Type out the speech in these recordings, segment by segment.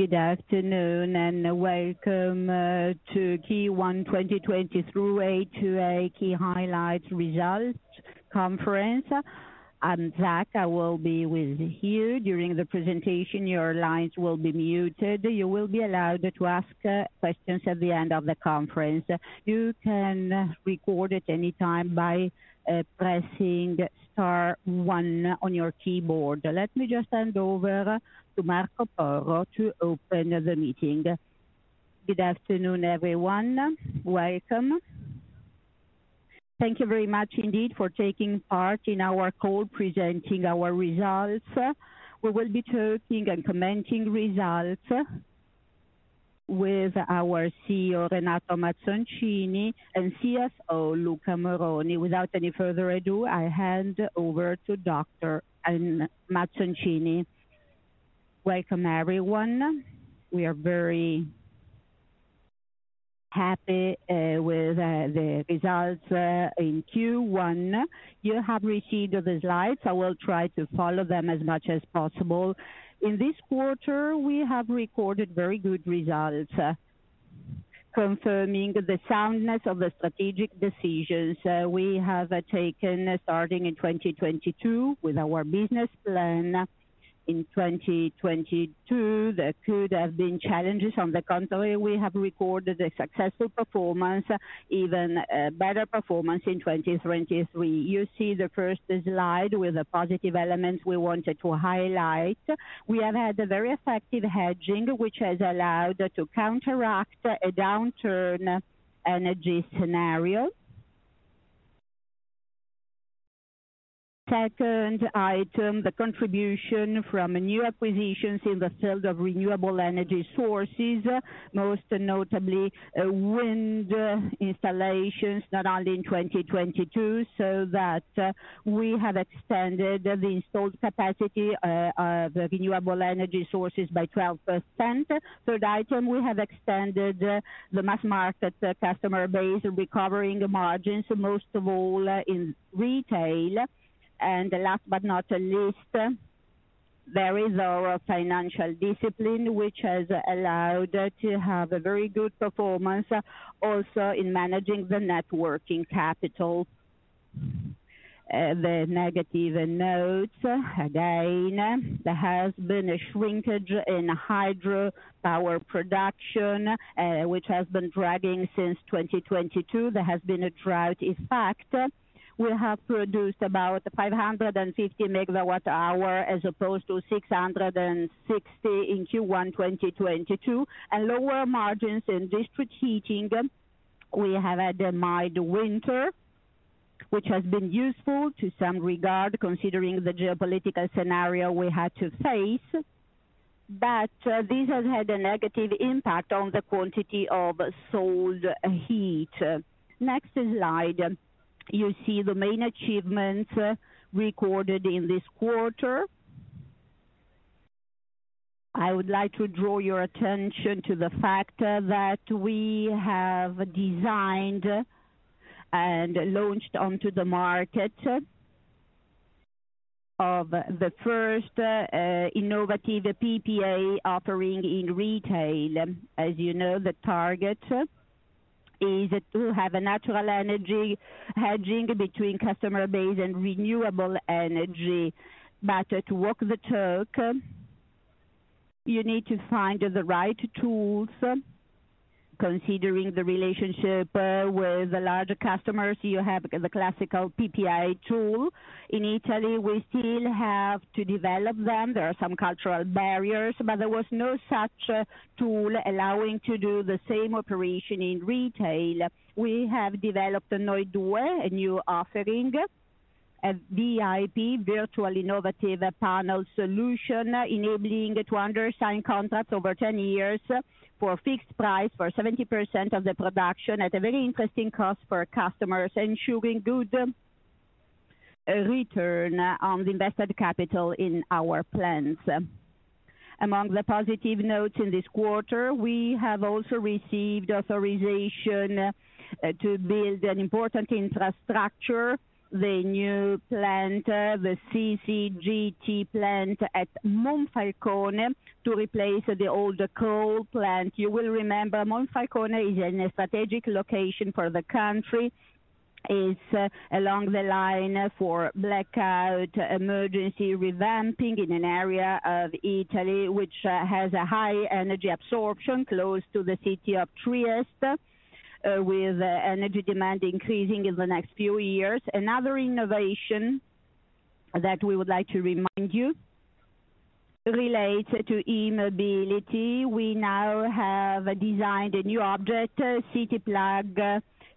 Good afternoon, welcome to Q1 2023 A2A key highlights results conference. I'm Zach, I will be with you during the presentation. Your lines will be muted. You will be allowed to ask questions at the end of the conference. You can record at any time by pressing star one on your keyboard. Let me just hand over to Marco Porro to open the meeting. Good afternoon, everyone. Welcome. Thank you very much indeed for taking part in our call presenting our results. We will be talking and commenting results with our CEO, Renato Mazzoncini, and CFO, Luca Moroni. Without any further ado, I hand over to Dr. Mazzoncini. Welcome, everyone. We are very happy with the results in Q1. You have received the slides. I will try to follow them as much as possible. In this quarter, we have recorded very good results, confirming the soundness of the strategic decisions we have taken starting in 2022 with our business plan. In 2022, there could have been challenges. On the contrary, we have recorded a successful performance, even better performance in 2023. You see the first slide with the positive elements we wanted to highlight. We have had a very effective hedging, which has allowed to counteract a downturn energy scenario. Second item, the contribution from new acquisitions in the field of renewable energy sources, most notably wind installations, not only in 2022, so that we have extended the installed capacity of renewable energy sources by 12%. Third item, we have extended the mass-market customer base, recovering margins, most of all in retail. Last but not least, there is our financial discipline, which has allowed to have a very good performance also in managing the net working capital. The negative notes. Again, there has been a shrinkage in hydropower production, which has been dragging since 2022. There has been a drought effect. We have produced about 550 megawatt hour as opposed to 660 in Q1 2022. Lower margins in district heating. We have had a mild winter, which has been useful to some regard considering the geopolitical scenario we had to face. This has had a negative impact on the quantity of sold heat. Next slide, you see the main achievements recorded in this quarter. I would like to draw your attention to the fact that we have designed and launched onto the market of the first, innovative PPA offering in retail. As you know, the target is to have a natural energy hedging between customer base and renewable energy. To walk the talk, you need to find the right tools. Considering the relationship with the larger customers, you have the classical PPA tool. In Italy, we still have to develop them. There are some cultural barriers, there was no such tool allowing to do the same operation in retail. We have developed Noi2, a new offering, a V.I.P., Virtual Innovative Panel solution, enabling to understand contracts over 10 years for a fixed price for 70% of the production at a very interesting cost for customers, ensuring good return on the invested capital in our plans. Among the positive notes in this quarter, we have also received authorization to build an important infrastructure, the new plant, the CCGT plant at Monfalcone, to replace the older coal plant. You will remember Monfalcone is in a strategic location for the country. It's along the line for blackout emergency revamping in an area of Italy, which has a high energy absorption, close to the city of Trieste, with energy demand increasing in the next few years. Another innovation that we would like to remind you relates to e-mobility. We now have designed a new object, City Plug,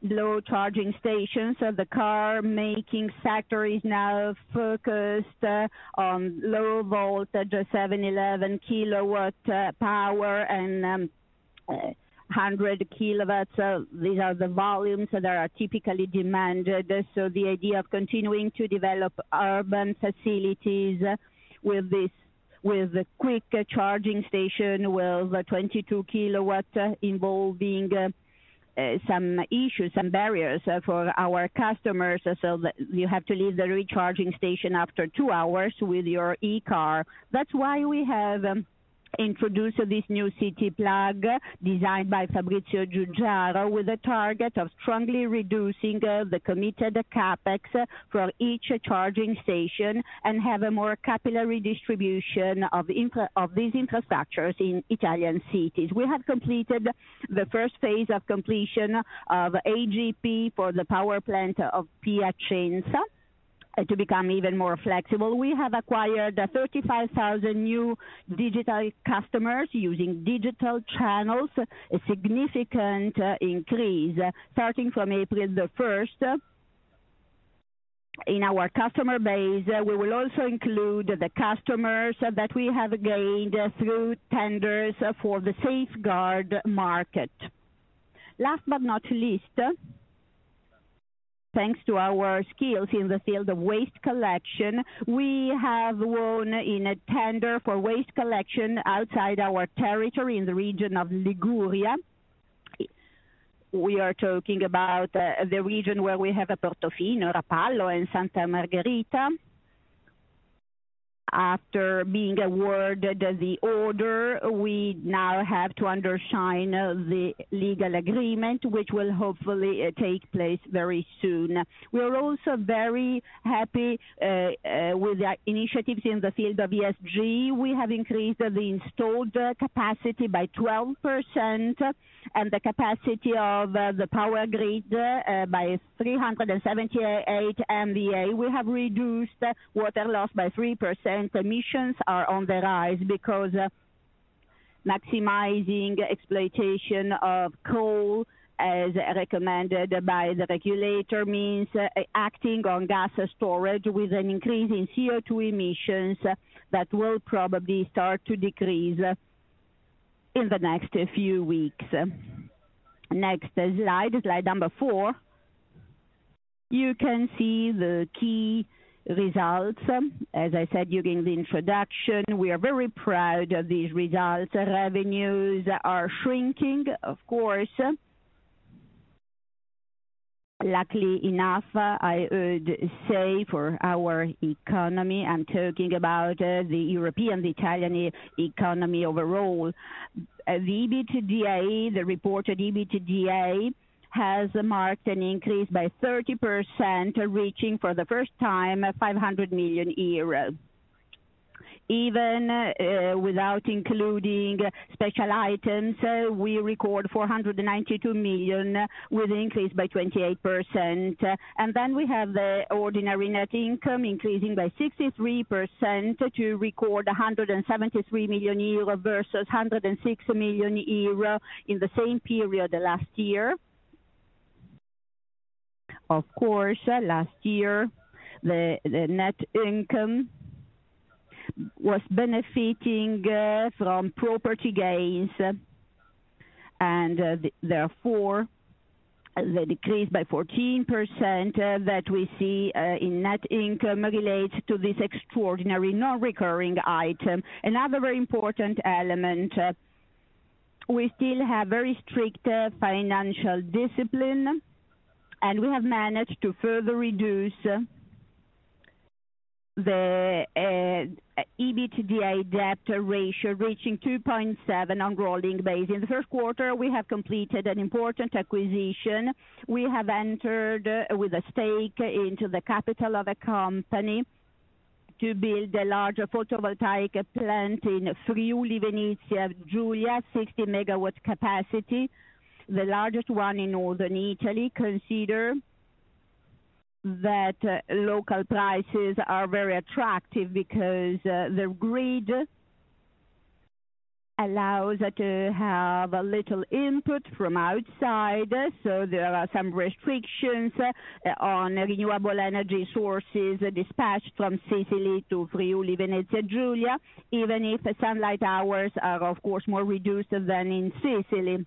low charging stations. The car-making sector is now focused on low voltage, 7 kW, 11 kW power, and 100 kW. These are the volumes that are typically demanded. The idea of continuing to develop urban facilities with this, with quick charging station with 22 kW involving some issues, some barriers for our customers, so that you have to leave the recharging station after 2 hours with your e-car. That's why we have introduced this new City Plug designed by Fabrizio Giugiaro, with a target of strongly reducing the committed CapEx for each charging station and have a more capillary distribution of these infrastructures in Italian cities. We have completed the first phase of completion of AGP for the power plant of Piacenza to become even more flexible. We have acquired 35,000 new digital customers using digital channels, a significant increase. Starting from April 1st, in our customer base, we will also include the customers that we have gained through tenders for the safeguard market. Last but not least, thanks to our skills in the field of waste collection, we have won in a tender for waste collection outside our territory in the region of Liguria. We are talking about the region where we have Portofino, Rapallo, and Santa Margherita. After being awarded the order, we now have to undersign the legal agreement, which will hopefully take place very soon. We are also very happy with the initiatives in the field of ESG. We have increased the installed capacity by 12% and the capacity of the power grid by 378 MVA. We have reduced water loss by 3%. Emissions are on the rise because maximizing exploitation of coal, as recommended by the regulator, means acting on gas storage with an increase in CO2 emissions that will probably start to decrease in the next few weeks. Next slide number 4. You can see the key results. As I said during the introduction, we are very proud of these results. Revenues are shrinking, of course. Luckily enough, I would say, for our economy, I'm talking about the European, the Italian economy overall. EBITDA, the reported EBITDA, has marked an increase by 30%, reaching for the first time 500 million euros. Even without including special items, we record 492 million, with an increase by 28%. We have the ordinary net income increasing by 63% to record 173 million euro versus 106 million euro in the same period last year. Last year, the net income was benefiting from property gains, and therefore, the decrease by 14% that we see in net income relates to this extraordinary non-recurring item. Another very important element, we still have very strict financial discipline, and we have managed to further reduce the EBITDA debt ratio, reaching 2.7 on rolling basis. In the third quarter, we have completed an important acquisition. We have entered with a stake into the capital of a company to build a larger photovoltaic plant in Friuli-Venezia Giulia, 60 megawatt capacity, the largest one in Northern Italy. Consider that local prices are very attractive because the grid allows to have a little input from outside. There are some restrictions on renewable energy sources dispatched from Sicily to Friuli-Venezia Giulia, even if the sunlight hours are of course, more reduced than in Sicily.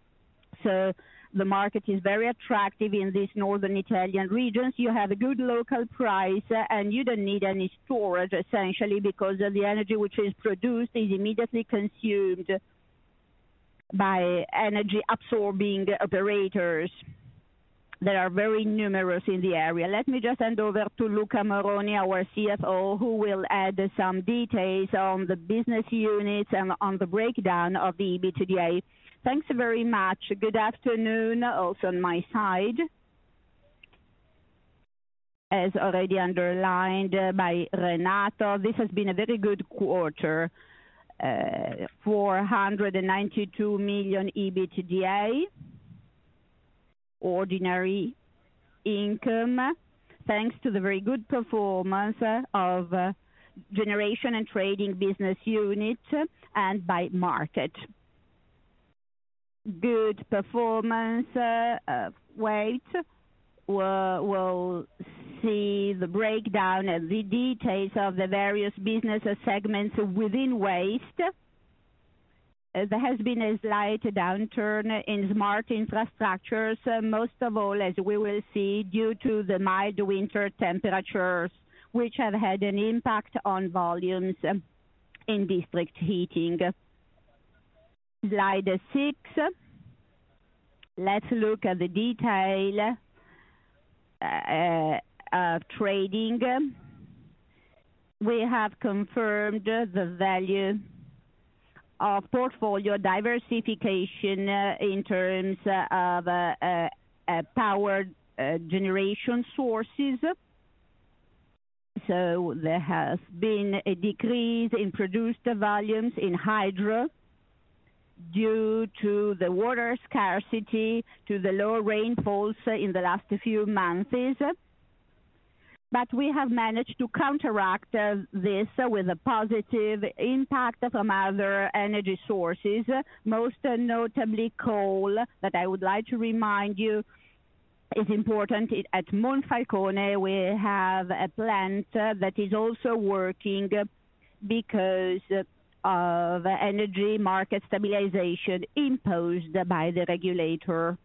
The market is very attractive in these northern Italian regions. You have a good local price, and you don't need any storage, essentially, because the energy which is produced is immediately consumed by energy absorbing operators that are very numerous in the area. Let me just hand over to Luca Moroni, our CFO, who will add some details on the business units and on the breakdown of the EBITDA. Thanks very much. Good afternoon, also on my side. As already underlined by Renato, this has been a very good quarter. EUR 492 million EBITDA, ordinary income, thanks to the very good performance of generation and trading business unit and by market. Good performance of waste. We'll see the breakdown of the details of the various business segments within waste. There has been a slight downturn in smart infrastructures, most of all, as we will see, due to the mild winter temperatures, which have had an impact on volumes in district heating. Slide 6. Let's look at the detail of trading. We have confirmed the value of portfolio diversification in terms of power generation sources. There has been a decrease in produced volumes in hydro due to the water scarcity, to the lower rainfalls in the last few months. We have managed to counteract this with a positive impact from other energy sources, most notably coal, that I would like to remind you is important. At Monfalcone, we have a plant that is also working because of energy market stabilization imposed by the regulator.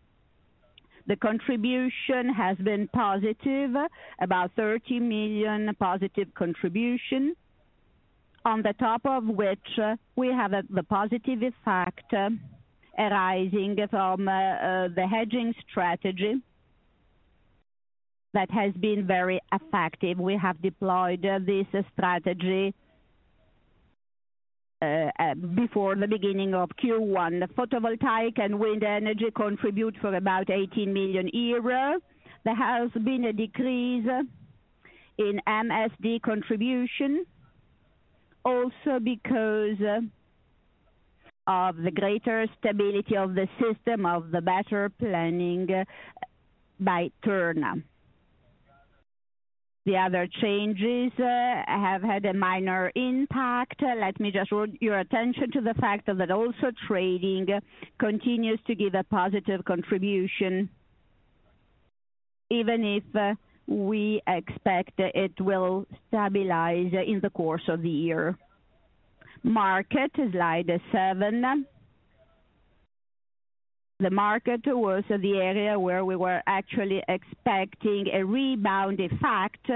The contribution has been positive, 30 million positive contribution. On the top of which we have the positive effect arising from the hedging strategy. That has been very effective. We have deployed this strategy before the beginning of Q1. Photovoltaic and wind energy contribute for 80 million euros. There has been a decrease in MSD contribution also because of the greater stability of the system, of the better planning by Terna. The other changes have had a minor impact. Let me just draw your attention to the fact that also trading continues to give a positive contribution, even if we expect it will stabilize in the course of the year. Market, slide 7. The market was the area where we were actually expecting a rebound effect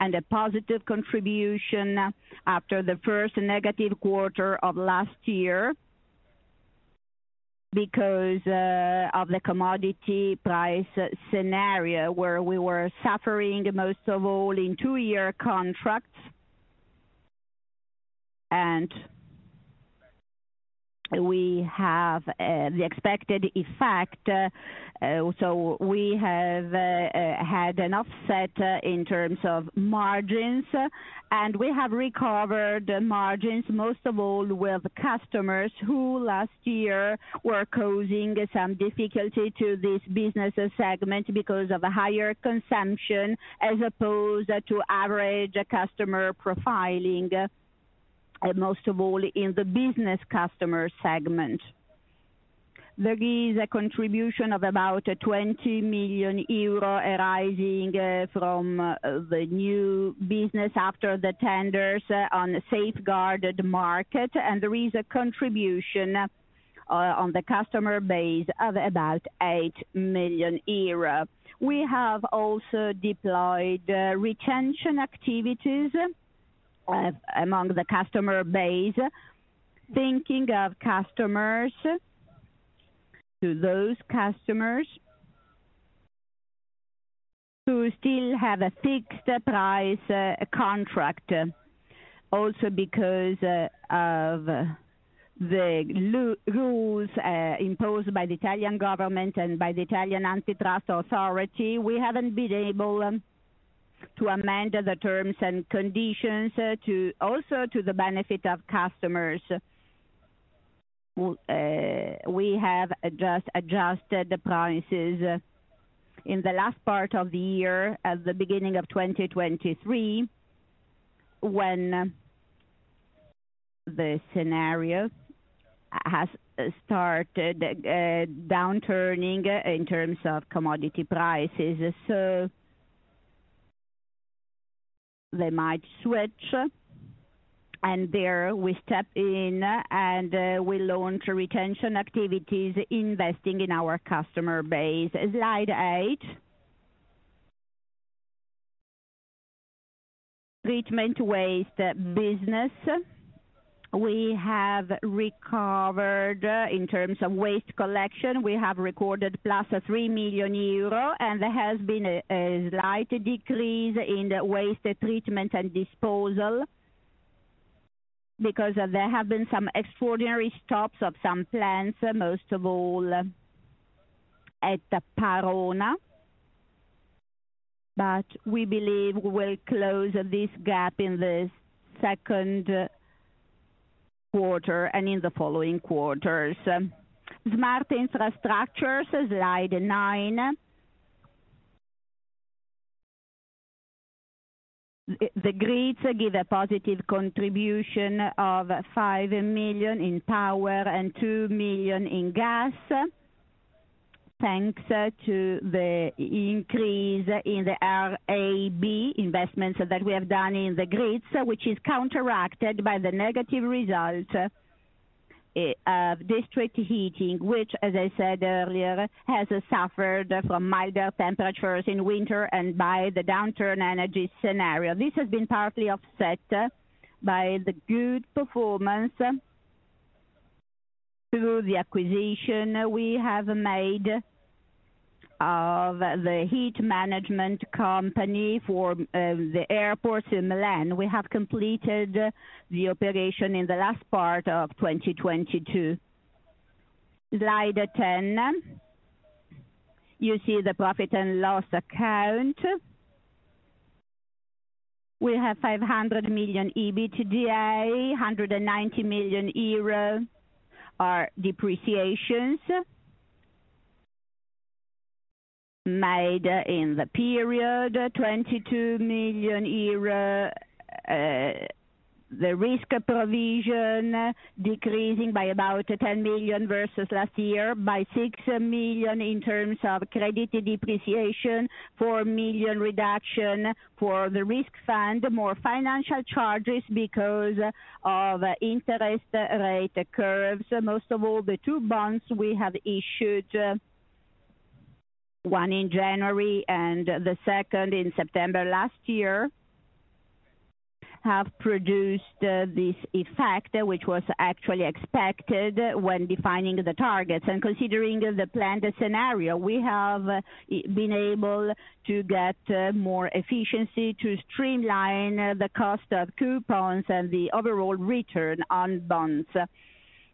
and a positive contribution after the first negative quarter of last year because of the commodity price scenario, where we were suffering most of all in two-year contracts. We have the expected effect. We have had an offset in terms of margins, and we have recovered margins, most of all with customers who last year were causing some difficulty to this business segment because of a higher consumption, as opposed to average customer profiling, most of all in the business customer segment. There is a contribution of about 20 million euro arising from the new business after the tenders on the safeguarded market. There is a contribution on the customer base of about 8 million euros. We have also deployed retention activities among the customer base, thinking of customers, to those customers who still have a fixed price contract. Because of the rules imposed by the Italian government and by the Italian Antitrust Authority, we haven't been able to amend the terms and conditions also to the benefit of customers. We have adjusted the prices in the last part of the year, at the beginning of 2023, when the scenario has started downturning in terms of commodity prices. They might switch, and there we step in, and we launch retention activities, investing in our customer base. Slide 8. Treatment waste business. We have recovered in terms of waste collection. We have recorded + 3 million euro, there has been a slight decrease in the waste treatment and disposal because there have been some extraordinary stops of some plants, most of all at Parona. We believe we will close this gap in the second quarter and in the following quarters. Smart infrastructures, slide 9. The grids give a positive contribution of 5 million in power and 2 million in gas, thanks to the increase in the RAB investments that we have done in the grids, which is counteracted by the negative result. District heating, which as I said earlier, has suffered from milder temperatures in winter and by the downturn energy scenario. This has been partly offset by the good performance through the acquisition we have made of the heat management company for the airports in Milan. We have completed the operation in the last part of 2022. Slide 10. You see the profit and loss account. We have 500 million EBITDA. 190 million euro are depreciations made in the period. 22 million euro, the risk provision decreasing by about 10 million versus last year, by 6 million in terms of credit depreciation, 4 million reduction for the risk fund, more financial charges because of interest rate curves. Most of all, the two bonds we have issued, one in January and the second in September last year, have produced this effect, which was actually expected when defining the targets. Considering the planned scenario, we have been able to get more efficiency to streamline the cost of coupons and the overall return on bonds.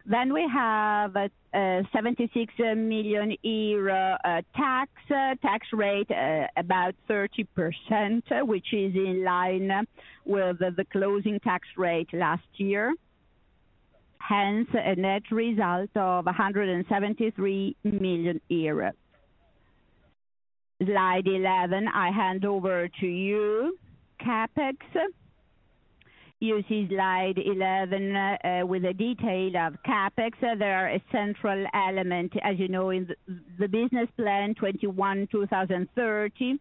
We have 76 million euro tax. Tax rate, about 30%, which is in line with the closing tax rate last year. Hence, a net result of 173 million euros. Slide 11, I hand over to you. CapEx. You see Slide 11, with a detail of CapEx. They are a central element. As you know in the business plan, 2021-2030,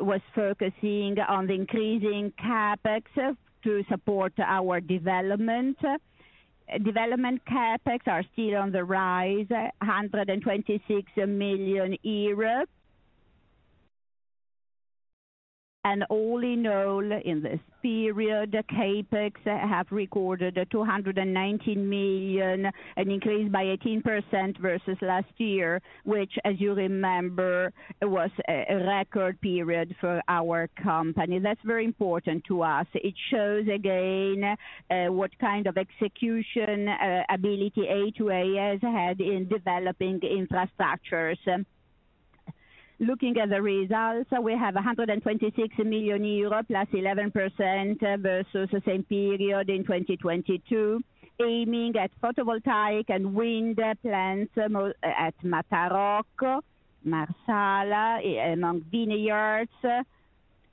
was focusing on the increasing CapEx to support our development. Development CapEx are still on the rise, 126 million euros. All in all, in this period, CapEx have recorded 219 million, an increase by 18% versus last year, which as you remember, was a record period for our company. That's very important to us. It shows again, what kind of execution ability A2A has had in developing infrastructures. Looking at the results, we have 126 million euro +11% versus the same period in 2022, aiming at photovoltaic and wind plants at Matarocco, Marsala, among vineyards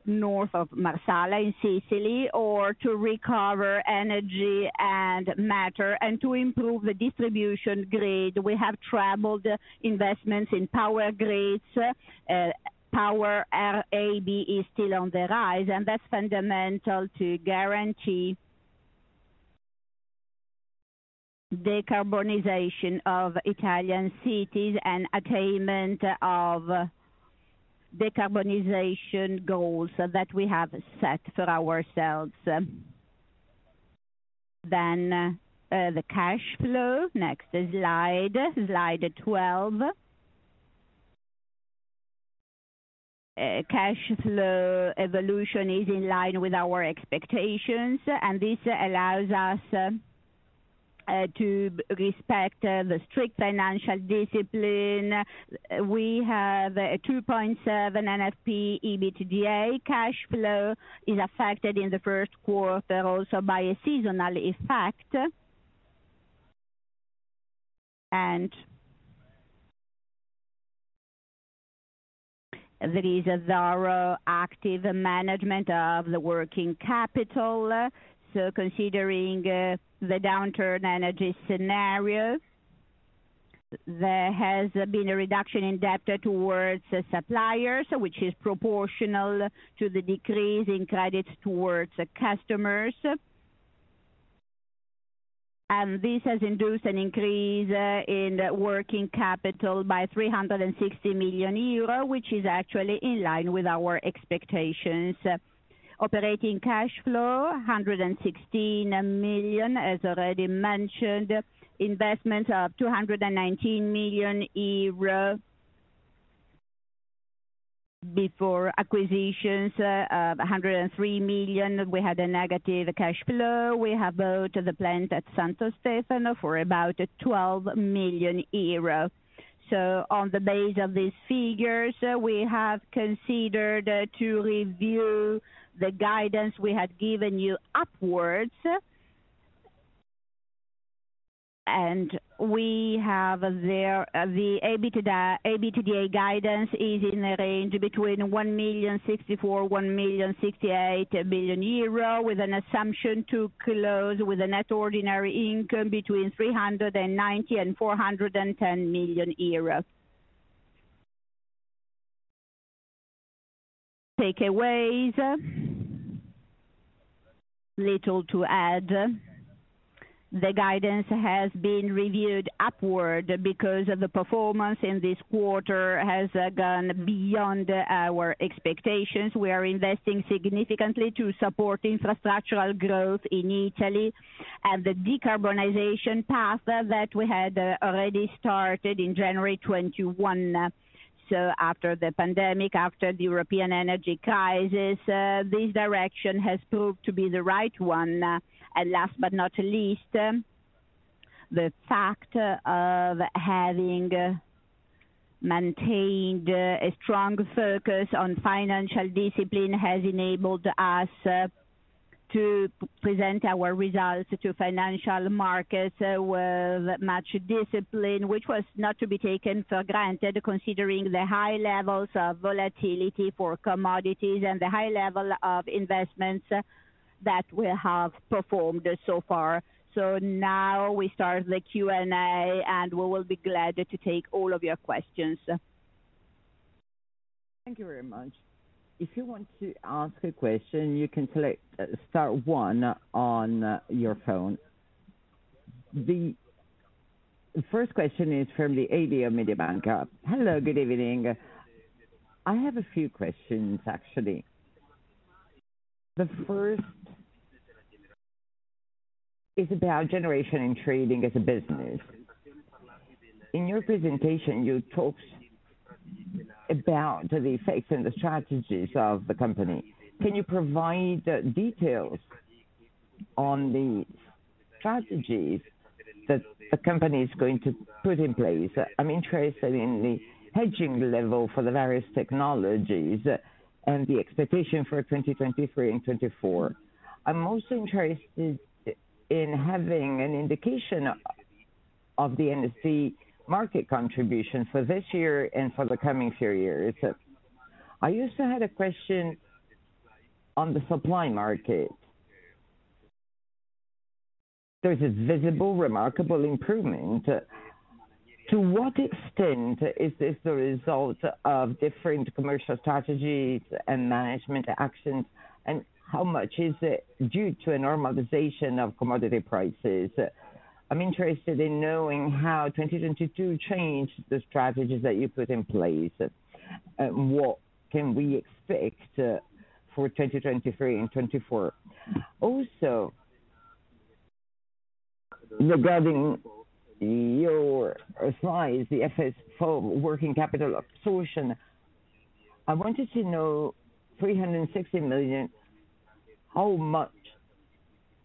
north of Marsala in Sicily, or to recover energy and matter and to improve the distribution grid. We have tripled investments in power grids. Power RAB is still on the rise, that's fundamental to guarantee decarbonization of Italian cities and attainment of decarbonization goals that we have set for ourselves. The cash flow. Next slide 12. Cash flow evolution is in line with our expectations, this allows us to respect the strict financial discipline. We have a 2.7 NFP EBITDA. Cash flow is affected in the first quarter also by a seasonal effect. There is a thorough active management of the working capital. Considering the downturn energy scenario, there has been a reduction in debt towards suppliers, which is proportional to the decrease in credits towards customers. This has induced an increase in working capital by 360 million euro, which is actually in line with our expectations. Operating cash flow, 116 million, as already mentioned. Investments of 219 million euro. Before acquisitions of 103 million, we had a negative cash flow. We have bought the plant at Santo Stefano for about 12 million euros. On the base of these figures, we have considered to review the guidance we had given you upwards. we have there, the EBITDA guidance is in a range between 1,064 billion euro and EUR 1,068 billion, with an assumption to close with a net ordinary income between 390 million and 410 million euro. Takeaways. Little to add. The guidance has been reviewed upward because of the performance in this quarter has gone beyond our expectations. We are investing significantly to support infrastructural growth in Italy and the decarbonization path that we had already started in January 21. After the pandemic, after the European energy crisis, this direction has proved to be the right one. Last but not least, the fact of having maintained a strong focus on financial discipline has enabled us to present our results to financial markets with much discipline, which was not to be taken for granted, considering the high levels of volatility for commodities and the high level of investments that we have performed so far. Now we start the Q&A, and we will be glad to take all of your questions. Thank you very much. If you want to ask a question, you can select star one on your phone. The first question is from the Analyst of Mediobanca. Hello, good evening. I have a few questions, actually. The first is about generation and trading as a business. In your presentation, you talked about the effects and the strategies of the company. Can you provide details on the strategies that the company is going to put in place? I'm interested in the hedging level for the various technologies and the expectation for 2023 and 2024. I'm most interested in having an indication of the MSD market contribution for this year and for the coming few years. I also had a question on the supply market. There is a visible, remarkable improvement. To what extent is this the result of different commercial strategies and management actions, and how much is it due to a normalization of commodity prices? I'm interested in knowing how 2022 changed the strategies that you put in place. What can we expect for 2023 and 2024? Regarding your slide, the FFO working capital absorption, I wanted to know 360 million, how much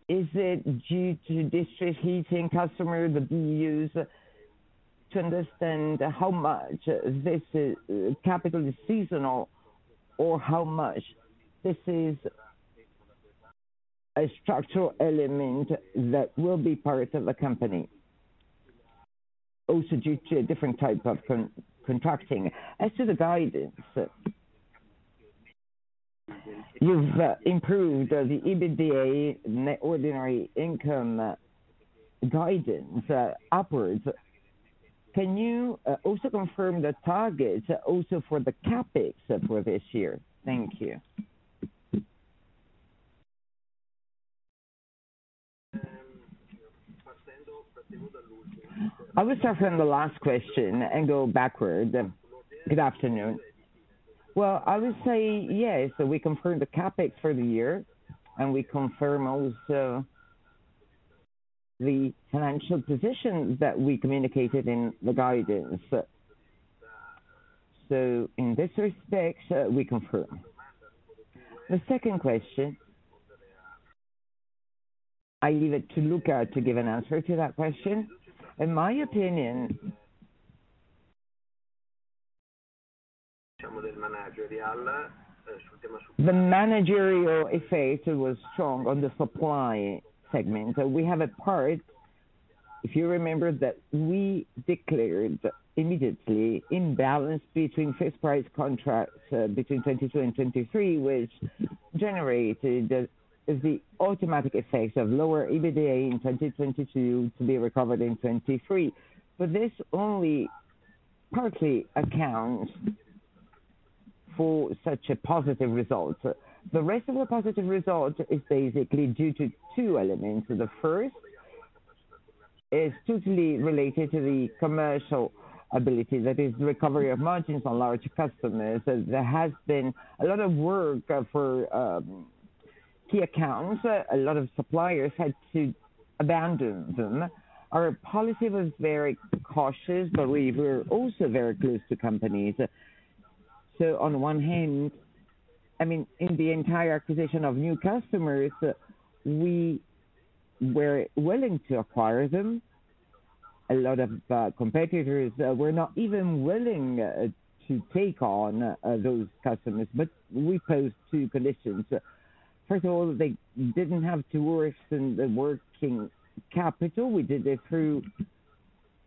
is it due to district heating customers, the BUs, to understand how much this is capital is seasonal or how much this is a structural element that will be part of the company also due to a different type of contracting. As to the guidance, you've improved the EBITDA net ordinary income guidance upwards. Can you also confirm the targets also for the CapEx for this year? Thank you. I will start from the last question and go backwards. Good afternoon. Well, I would say yes, we confirm the CapEx for the year. We confirm also the financial positions that we communicated in the guidance. In this respect, we confirm. The second question, I leave it to Luca to give an answer to that question. In my opinion, the managerial effect was strong on the supply segment. We have a part, if you remember, that we declared immediately imbalance between fixed price contracts between 2022 and 2023, which generated the automatic effects of lower EBITDA in 2022 to be recovered in 2023. This only partly accounts for such a positive result. The rest of the positive result is basically due to two elements. The first is totally related to the commercial ability, that is recovery of margins on large customers. There has been a lot of work for key accounts. A lot of suppliers had to abandon them. Our policy was very cautious, but we were also very close to companies. On one hand, I mean, in the entire acquisition of new customers, we were willing to acquire them. A lot of competitors were not even willing to take on those customers, but we posed two conditions. First of all, they didn't have to worsen the working capital. We did it through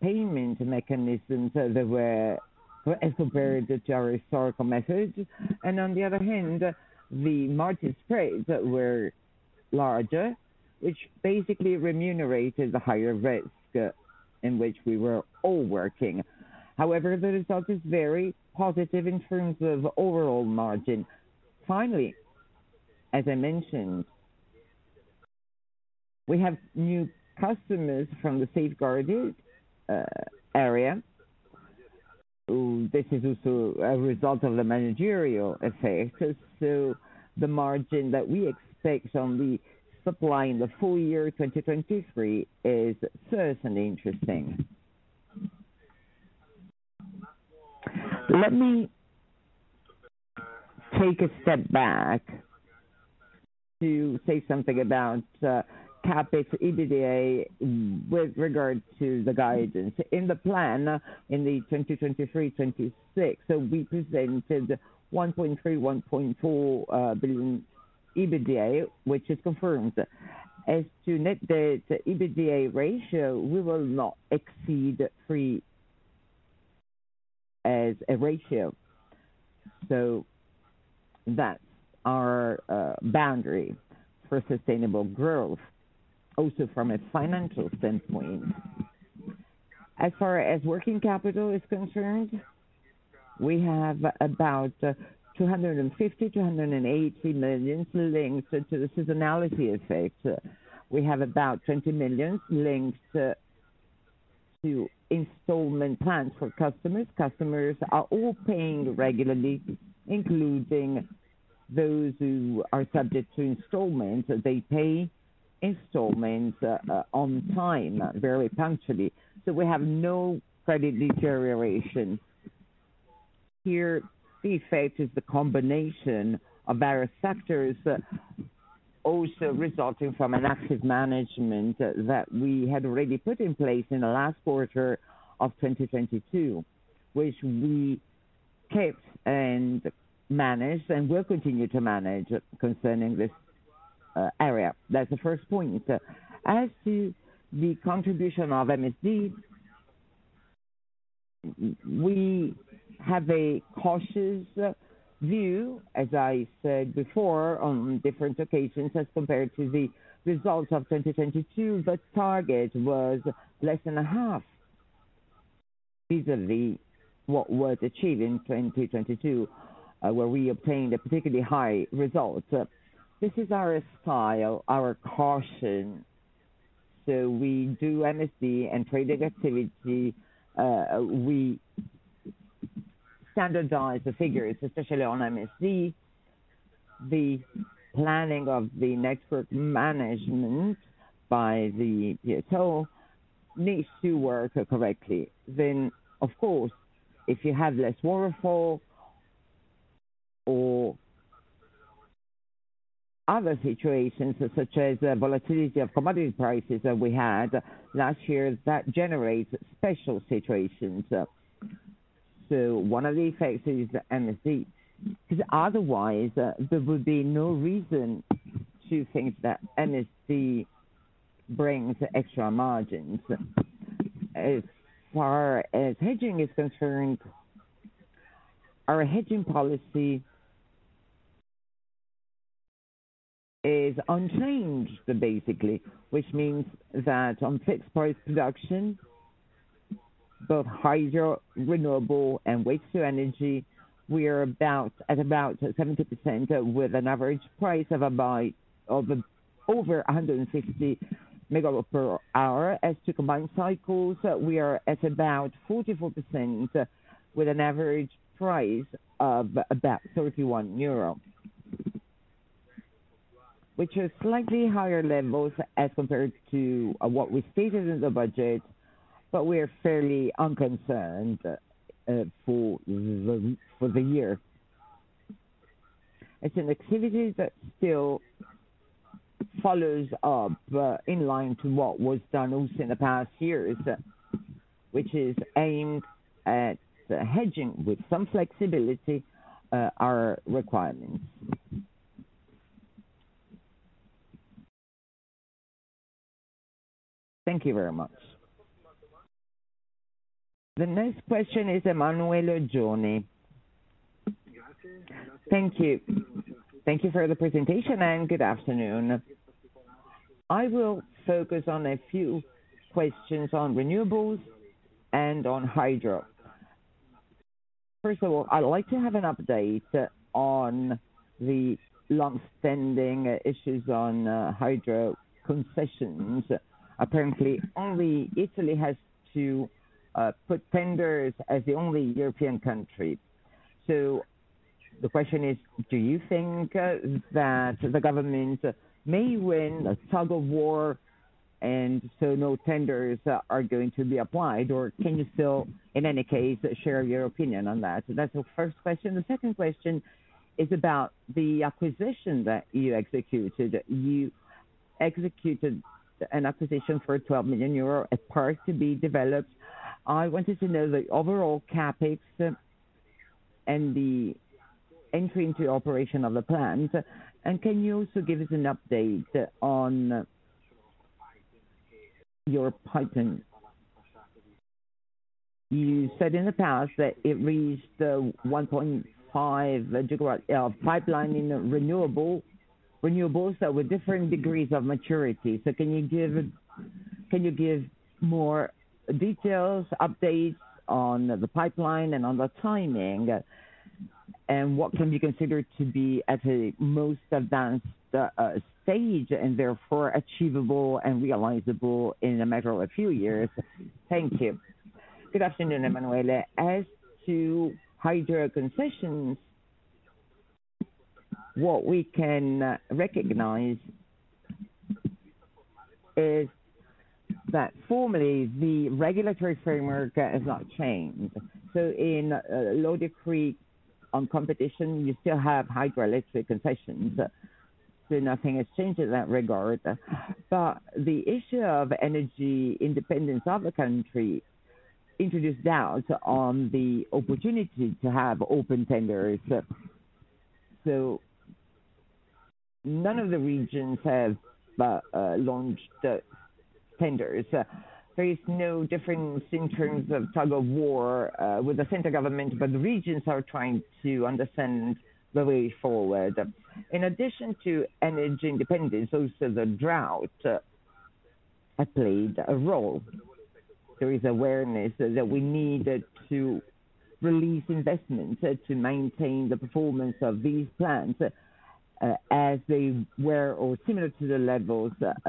payment mechanisms that were comparable to our historical methods. On the other hand, the margin spreads were larger, which basically remunerated the higher risk in which we were all working. The result is very positive in terms of overall margin. As I mentioned, we have new customers from the safeguarding area. This is also a result of the managerial effect. The margin that we expect on the supply in the full year 2023 is certainly interesting. Let me take a step back to say something about CapEx EBITDA with regard to the guidance. In the plan in the 2023/2026, we presented 1.3 billion-1.4 billion EBITDA, which is confirmed. As to net debt to EBITDA ratio, we will not exceed three as a ratio. That's our boundary for sustainable growth, also from a financial standpoint. As far as working capital is concerned, we have about 250 million-280 million linked to the seasonality effect. We have about 20 million linked to installment plans for customers. Customers are all paying regularly, including those who are subject to installments. They pay installments on time, very punctually. We have no credit deterioration. Here, the effect is the combination of various factors also resulting from an active management that we had already put in place in the last quarter of 2022, which we kept and managed, and will continue to manage concerning this area. That's the first point. As to the contribution of MSD, we have a cautious view, as I said before, on different occasions, as compared to the results of 2022. The target was less than a half easily what was achieved in 2022, where we obtained a particularly high result. This is our style, our caution. We do MSD and trading activity. We standardize the figures, especially on MSD. The planning of the network management by the PTO needs to work correctly. Of course, if you have less waterfall or other situations such as the volatility of commodity prices that we had last year, that generates special situations. One of the effects is MSD, because otherwise there would be no reason to think that MSD brings extra margins. As far as hedging is concerned, our hedging policy is unchanged, basically, which means that on fixed price production, both hydro, renewable and waste to energy, we are at about 70% with an average price of over 160 megawatt per hour. As to combined cycles, we are at about 44% with an average price of about 31 euro, which is slightly higher levels as compared to what we stated in the budget, we are fairly unconcerned for the year. It's an activity that still follows up in line to what was done also in the past years, which is aimed at hedging with some flexibility, our requirements. Thank you very much. The next question is Emanuele Oggioni. Thank you. Thank you for the presentation, and good afternoon. I will focus on a few questions on renewables and on hydro. First of all, I'd like to have an update on the long-standing issues on hydro concessions. Apparently, only Italy has to put tenders as the only European country. The question is, do you think that the government may win a tug-of-war and so no tenders are going to be applied, or can you still, in any case, share your opinion on that? That's the first question. The second question is about the acquisition that you executed. You executed an acquisition for a 12 million euro, a park to be developed. I wanted to know the overall CapEx and the entry into operation of the plant. Can you also give us an update on your piping? You said in the past that it reached 1.5 GW pipeline in renewables that with different degrees of maturity. Can you give more details, updates on the pipeline and on the timing? What can be considered to be at a most advanced stage and therefore achievable and realizable in a matter of a few years? Thank you. Good afternoon, Emanuele. As to hydro concessions, what we can recognize is that formally the regulatory framework has not changed. In law decree on competition, you still have hydroelectric concessions. Nothing has changed in that regard. The issue of energy independence of the country introduced doubts on the opportunity to have open tenders. There is no difference in terms of tug of war with the center government. The regions are trying to understand the way forward. In addition to energy independence, also the drought played a role. There is awareness that we need to release investments to maintain the performance of these plants as they were or similar to the levels that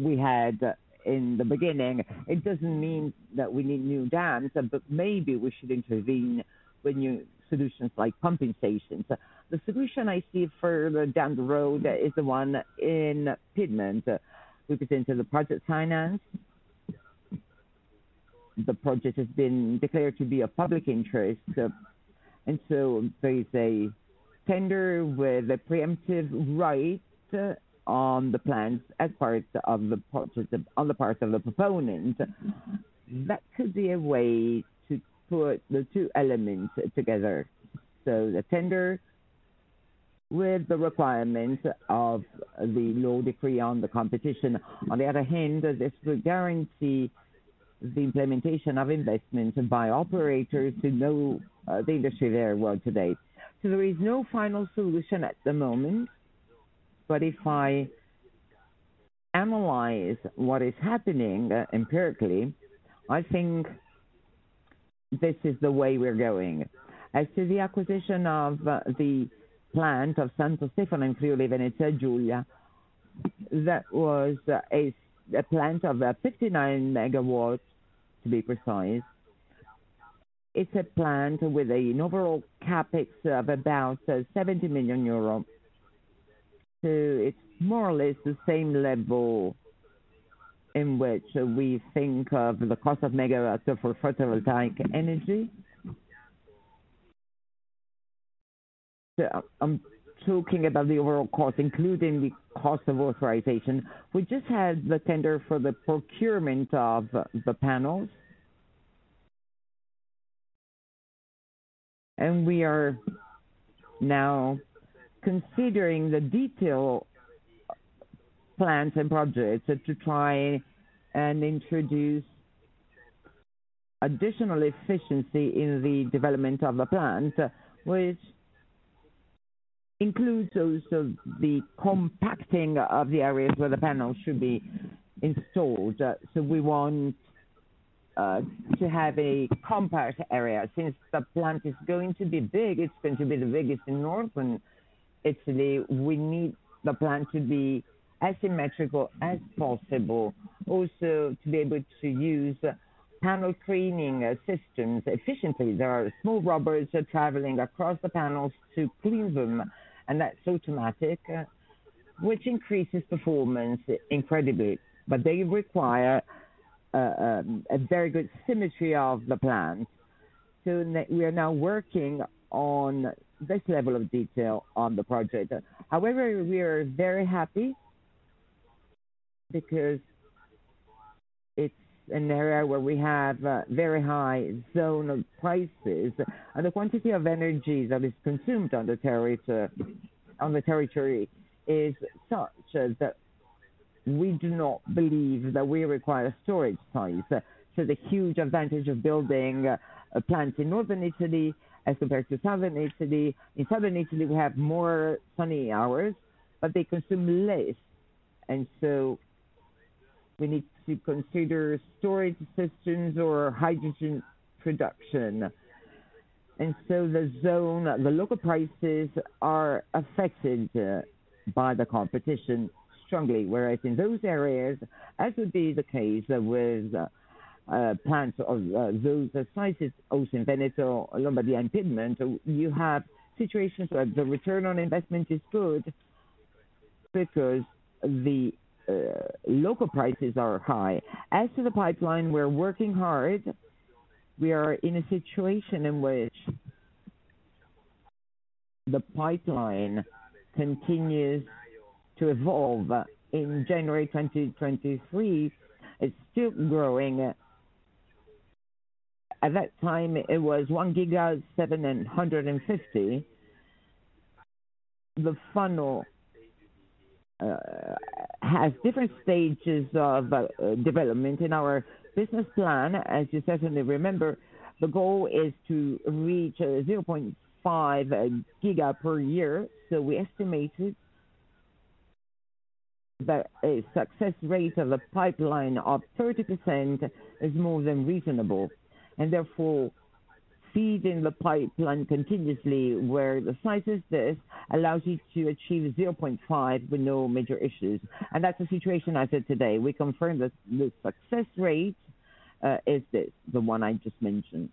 we had in the beginning. It doesn't mean that we need new dams. Maybe we should intervene with new solutions like pumping stations. The solution I see further down the road is the one in Piedmont. We present to the project finance. The project has been declared to be of public interest. There is a tender with a preemptive right on the plans as part of the project, on the part of the proponent. That could be a way to put the two elements together. The tender with the requirement of the law decree on the competition. On the other hand, this will guarantee the implementation of investments by operators who know the industry very well today. There is no final solution at the moment, but if I analyze what is happening empirically, I think this is the way we're going. As to the acquisition of the plant of Santo Stefano in Friuli Venezia Giulia, that was a plant of 59 megawatts, to be precise. It's a plant with an overall CapEx of about 70 million euros. It's more or less the same level in which we think of the cost of megawatts, for photovoltaic energy. I'm talking about the overall cost, including the cost of authorization. We just had the tender for the procurement of the panels. We are now considering the detailed plans and projects to try and introduce additional efficiency in the development of the plant, which includes also the compacting of the areas where the panels should be installed. We want to have a compact area. Since the plant is going to be big, it's going to be the biggest in northern Italy, we need the plant to be as symmetrical as possible. Also to be able to use panel cleaning systems efficiently. There are small rubbers traveling across the panels to clean them, and that's automatic, which increases performance incredibly. They require a very good symmetry of the plant. We are now working on this level of detail on the project. However, we are very happy because it's an area where we have very high zone prices, and the quantity of energy that is consumed on the territory is such that we do not believe that we require storage size. The huge advantage of building a plant in northern Italy as compared to southern Italy. In southern Italy, we have more sunny hours, but they consume less. We need to consider storage systems or hydrogen production. The zone, the local prices are affected by the competition strongly. In those areas, as would be the case with plants of those sizes, also in Veneto, Lombardy, and Piedmont, you have situations where the return on investment is good because the local prices are high. The pipeline, we're working hard. We are in a situation in which the pipeline continues to evolve. In January 2023, it's still growing. At that time, it was 1 giga 750. The funnel has different stages of development in our business plan. As you certainly remember, the goal is to reach 0.5 giga per year. We estimated that a success rate of a pipeline of 30% is more than reasonable, and therefore feeding the pipeline continuously where the size is this, allows you to achieve 0.5 with no major issues. That's the situation as of today. We confirm that the success rate is the one I just mentioned.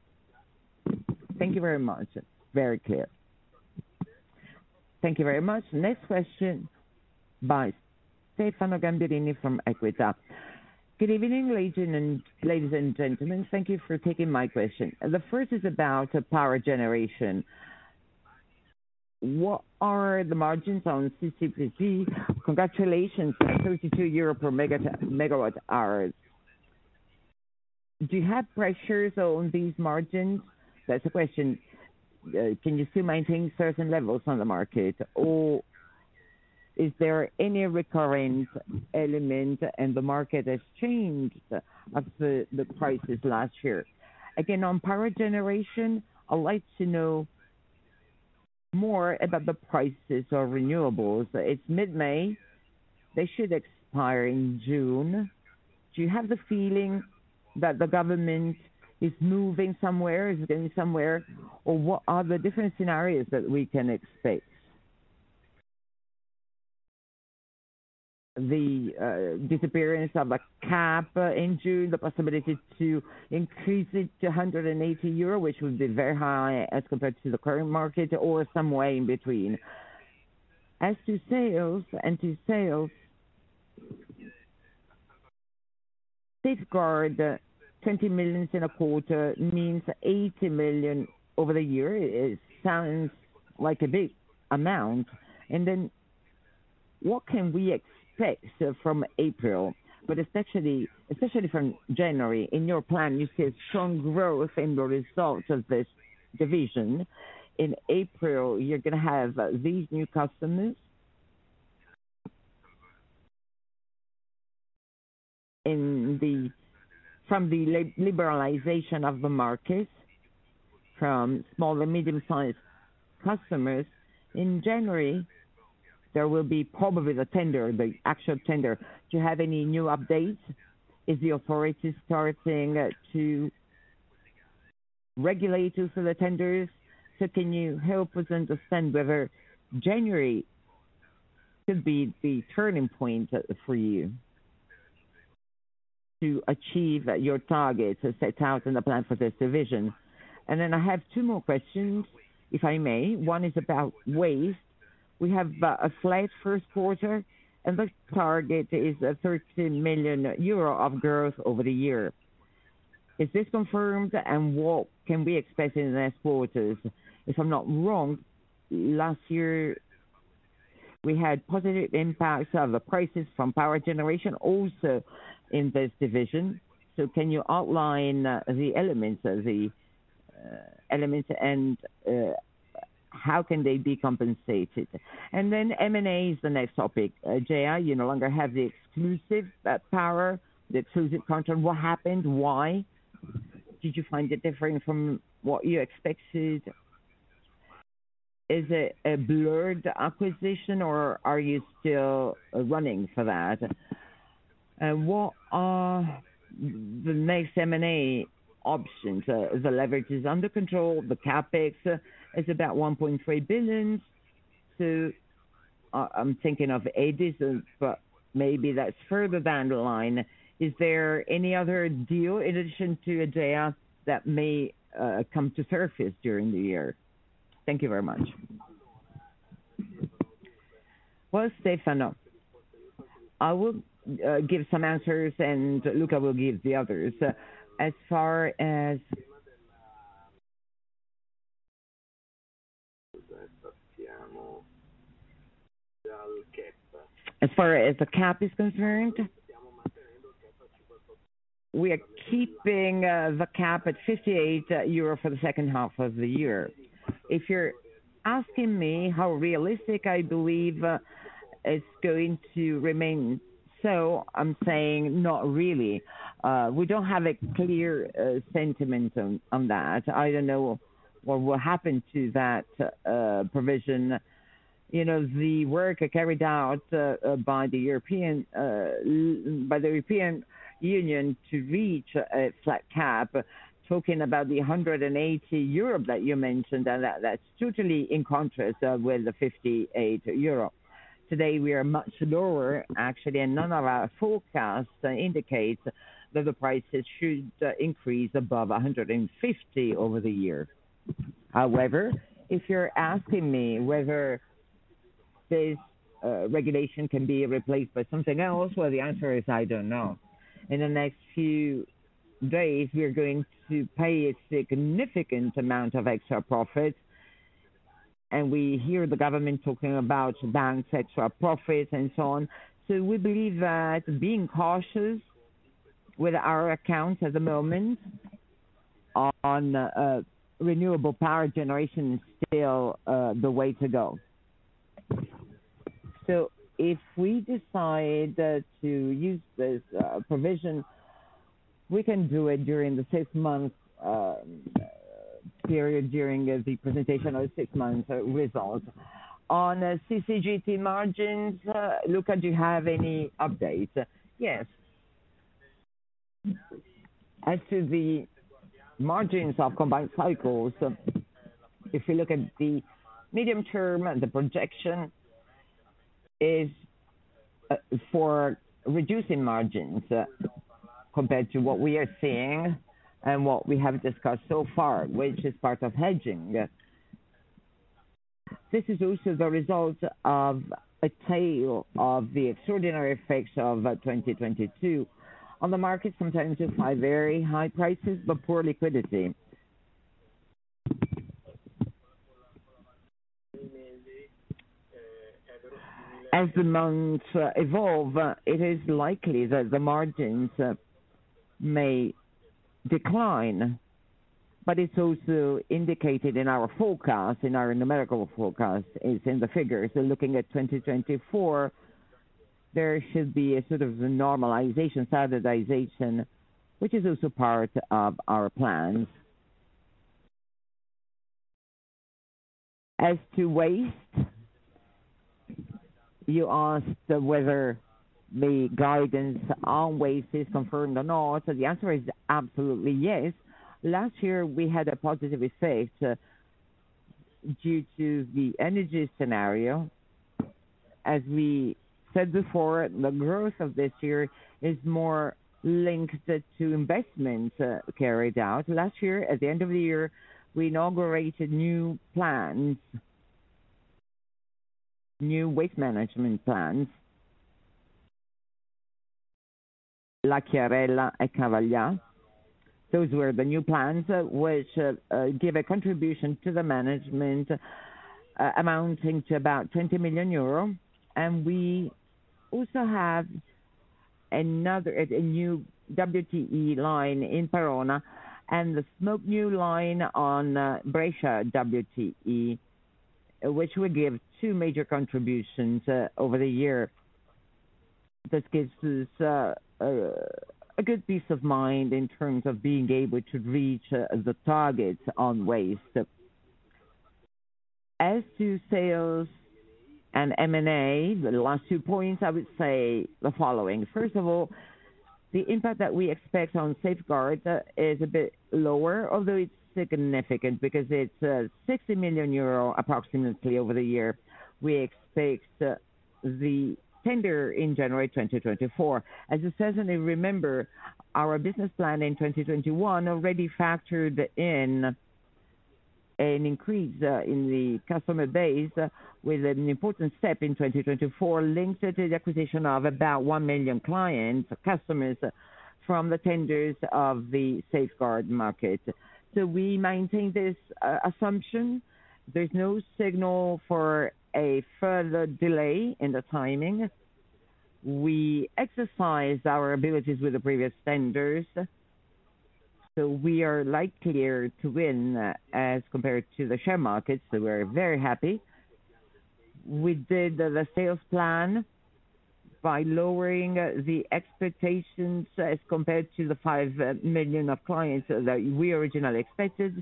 Thank you very much. Very clear. Thank you very much. Next question by Stefano Gamberini from EQUITA. Good evening, ladies and gentlemen. Thank you for taking my question. The first is about power generation. What are the margins on CCGT? Congratulations on 32 euro per megawatt hours. Do you have pressures on these margins? That's the question. Can you still maintain certain levels on the market, or is there any recurring element? The market has changed after the prices last year. On power generation, I'd like to know more about the prices of renewables. It's mid-May, they should expire in June. Do you have the feeling that the government is moving somewhere, going somewhere, or what are the different scenarios that we can expect? The disappearance of a cap in June, the possibility to increase it to 100 euro, which would be very high as compared to the current market, or somewhere in between. As to sales, safeguard 20 million in a quarter means 80 million over the year. It sounds like a big amount. What can we expect from April, but especially from January? In your plan, you see a strong growth in the results of this division. In April, you're going to have these new customers from the liberalization of the markets, from small and medium-sized customers. In January, there will be probably the actual tender. Do you have any new updates? Is the authority starting to regulate you for the tenders? Can you help us understand whether January could be the turning point for you to achieve your targets as set out in the plan for this division? I have two more questions, if I may. One is about waste. We have a flat first quarter. The target is 13 million euro of growth over the year. Is this confirmed? What can we expect in the next quarters? If I'm not wrong, last year, we had positive impacts of the prices from power generation also in this division. Can you outline the elements, how can they be compensated? M&A is the next topic. GEI, you no longer have the exclusive power, the exclusive contract. What happened? Why? Did you find it differing from what you expected? Is it a blurred acquisition, or are you still running for that? What are the next M&A options? The leverage is under control. The CapEx is about 1.3 billion. I'm thinking of ADES, but maybe that's further down the line. Is there any other deal in addition to GEI that may come to surface during the year? Thank you very much. Well, Stefano, I will give some answers, and Luca will give the others. As far as the cap is concerned, we are keeping the cap at 58 euro for the second half of the year. If you're asking me how realistic I believe it's going to remain, I'm saying not really. We don't have a clear sentiment on that. I don't know what will happen to that provision. You know, the work carried out by the European Union to reach a flat cap, talking about the 180 euro that you mentioned, that's totally in contrast with the 58 euro. Today, we are much lower, actually, and none of our forecasts indicate that the prices should increase above 150 over the year. However, if you're asking me whether this regulation can be replaced by something else, well, the answer is I don't know. In the next few days, we're going to pay a significant amount of extra profit, and we hear the government talking about down extra profits and so on. We believe that being cautious with our accounts at the moment. On renewable power generation is still the way to go. If we decide to use this provision, we can do it during the six-month period, during the presentation of six months results. On CCGT margins, Luca, do you have any updates? Yes. As to the margins of combined cycles, if you look at the medium term, the projection is for reducing margins compared to what we are seeing and what we have discussed so far, which is part of hedging. This is also the result of a tail of the extraordinary effects of 2022 on the market, sometimes just by very high prices but poor liquidity. As the months evolve, it is likely that the margins may decline, but it's also indicated in our forecast, in our numerical forecast, is in the figures. Looking at 2024, there should be a sort of normalization, standardization, which is also part of our plans. As to waste, you asked whether the guidance on waste is confirmed or not. The answer is absolutely yes. Last year, we had a positive effect due to the energy scenario. As we said before, the growth of this year is more linked to investments carried out. Last year, at the end of the year, we inaugurated new plants, new waste management plants. Lacchiarella and Cavaglià. Those were the new plants, which give a contribution to the management amounting to about 20 million euro. We also have another, a new WTE line in Verona, and the smoke new line on Brescia WTE, which would give two major contributions over the year. That gives us a good peace of mind in terms of being able to reach the targets on waste. As to sales and M&A, the last two points, I would say the following. First of all, the impact that we expect on safeguard is a bit lower, although it's significant because it's 60 million euro approximately over the year. We expect the tender in January 2024. As you certainly remember, our business plan in 2021 already factored in an increase in the customer base with an important step in 2024, linked to the acquisition of about 1 million clients, customers from the tenders of the safeguard market. We maintain this assumption. There's no signal for a further delay in the timing. We exercise our abilities with the previous tenders, so we are likelier to win as compared to the share markets, so we're very happy. We did the sales plan by lowering the expectations as compared to the 5 million clients that we originally expected,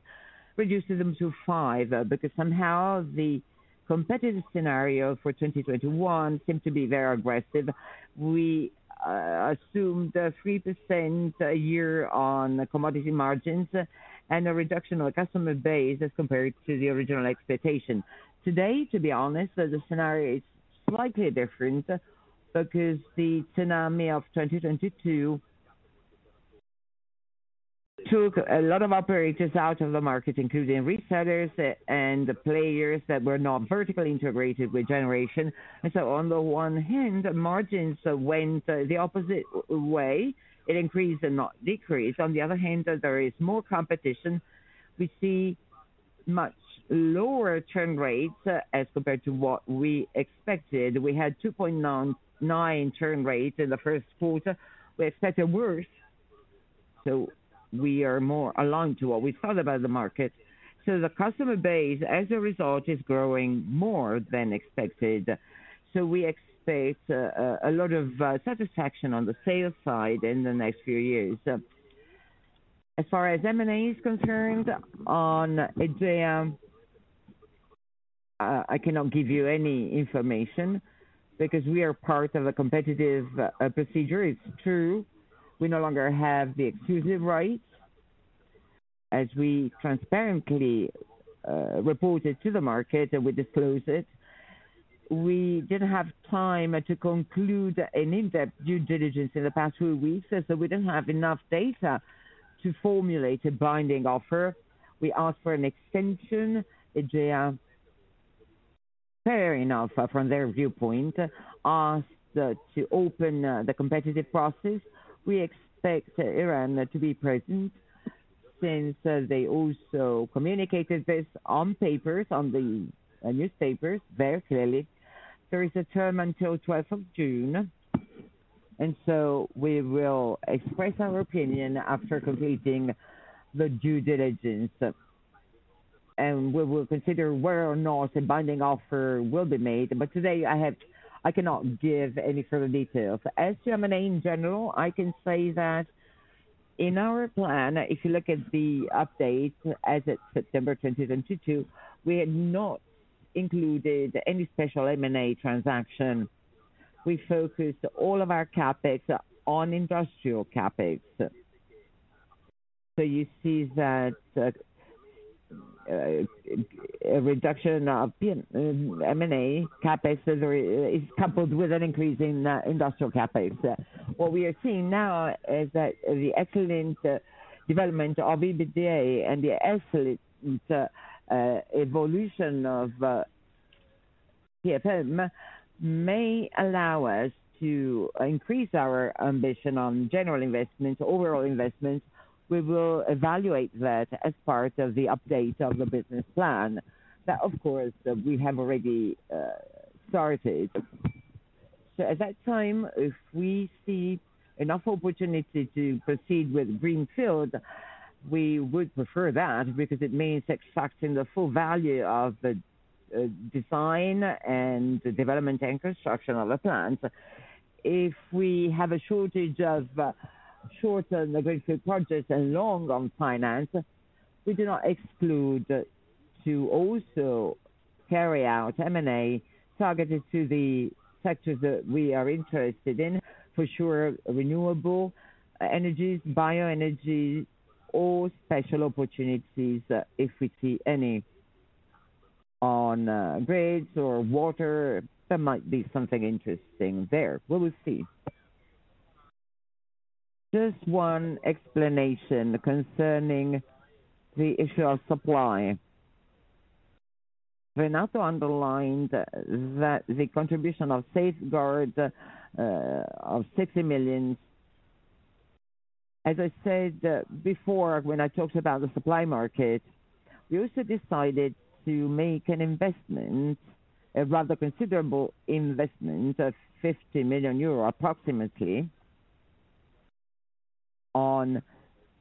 reducing them to 5, because somehow the competitive scenario for 2021 seemed to be very aggressive. We assumed 3% a year on commodity margins and a reduction on the customer base as compared to the original expectation. Today, to be honest, the scenario is slightly different because the tsunami of 2022 took a lot of operators out of the market, including resellers and players that were not vertically integrated with generation. On the one hand, margins went the opposite way. It increased and not decreased. On the other hand, there is more competition. We see much lower term rates as compared to what we expected. We had 2.99 term rates in the first quarter. We expect it worse, so we are more aligned to what we thought about the market. The customer base, as a result, is growing more than expected. We expect a lot of satisfaction on the sales side in the next few years. As far as M&A is concerned, on Ijr, I cannot give you any information because we are part of a competitive procedure. It's true, we no longer have the exclusive rights. We transparently reported to the market, and we disclose it, we didn't have time to conclude an in-depth due diligence in the past few weeks, so we didn't have enough data to formulate a binding offer. We asked for an extension. Ijr, fair enough, from their viewpoint, asked to open the competitive process. We expect Iran to be present since they also communicated this on papers, on the newspapers very clearly. There is a term until 12th of June. We will express our opinion after completing the due diligence, and we will consider whether or not a binding offer will be made. Today I cannot give any further details. As to M&A in general, I can say that in our plan, if you look at the update as at September 2022, we had not included any special M&A transaction. We focused all of our CapEx on industrial CapEx. You see that a reduction of M&A CapEx is coupled with an increase in industrial CapEx. What we are seeing now is that the excellent development of EBITDA and the excellent evolution of TFM may allow us to increase our ambition on general investments, overall investments. We will evaluate that as part of the update of the business plan that of course we have already started. At that time, if we see enough opportunity to proceed with greenfield, we would prefer that because it means extracting the full value of the design and development and construction of the plants. If we have a shortage of short-term greenfield projects and long on finance, we do not exclude to also carry out M&A targeted to the sectors that we are interested in for sure, renewable energies, bio energy or special opportunities, if we see any on grids or water, there might be something interesting there. We will see. Just one explanation concerning the issue of supply. Renato underlined that the contribution of safeguard of 60 million. As I said before, when I talked about the supply market, we also decided to make an investment, a rather considerable investment of 50 million euro approximately on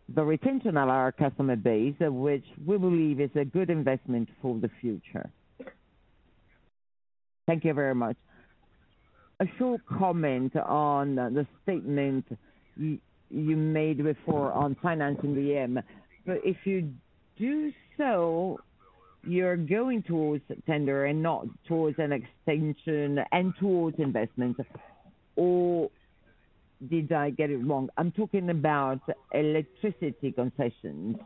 the retention of our customer base, which we believe is a good investment for the future. Thank you very much. A short comment on the statement you made before on financing DM. If you do so, you're going towards tender and not towards an extension and towards investment. Or did I get it wrong? I'm talking about electricity concessions.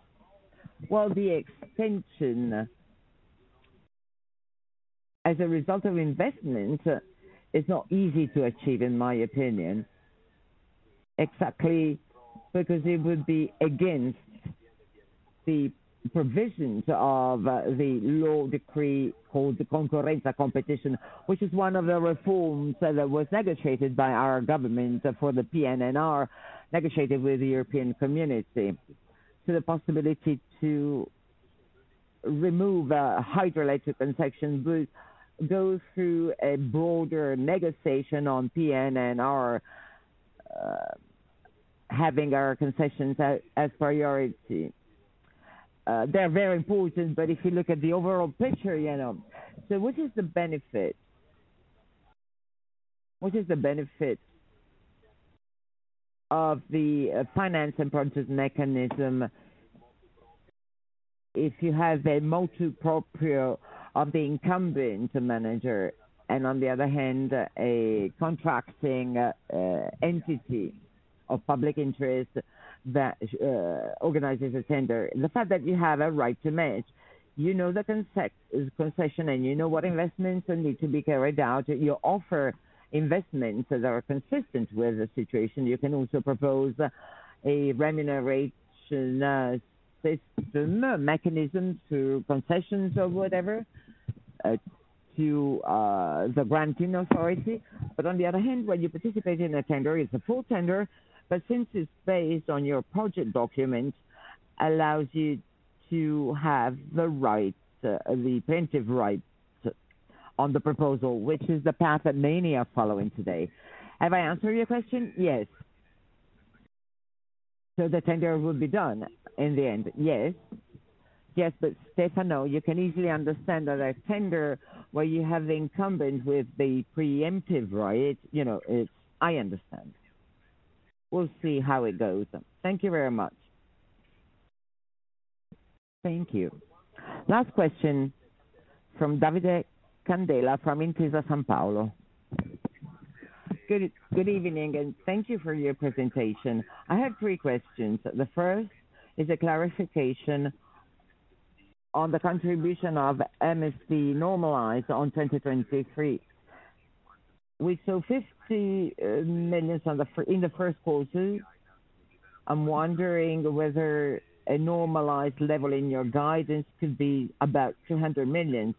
The extension, as a result of investment is not easy to achieve, in my opinion. Exactly, because it would be against the provisions of the law decree called the Concorrenza competition, which is one of the reforms that was negotiated by our government for the PNRR, negotiated with the European Union. The possibility to remove a hydroelectric concession will go through a broader negotiation on PNRR, having our concessions as priority. They're very important, but if you look at the overall picture, you know. What is the benefit? What is the benefit of the finance and purchase mechanism if you have a motu proprio of the incumbent manager and on the other hand, a contracting entity of public interest that organizes a tender. The fact that you have a right to match, you know the concession and you know what investments need to be carried out. You offer investments that are consistent with the situation. You can also propose a remuneration system mechanism to concessions or whatever, to the granting authority. On the other hand, when you participate in a tender, it's a full tender, but since it's based on your project document, allows you to have the right, the preemptive right on the proposal, which is the path that many are following today. Have I answered your question? Yes. The tender will be done in the end. Yes. Stefano, you can easily understand that a tender where you have the incumbent with the preemptive right, you know, it's. I understand. We'll see how it goes. Thank you very much. Thank you. Last question from Davide Candela, from Intesa Sanpaolo Good, good evening, and thank you for your presentation. I have three questions. The first is a clarification on the contribution of MSD normalized on 2023. We saw 50 million in the first quarter. I'm wondering whether a normalized level in your guidance could be about 200 million.